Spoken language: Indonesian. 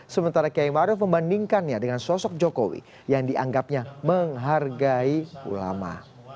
sementara kiai maruf membandingkannya dengan sosok jokowi yang dianggapnya menghargai ulama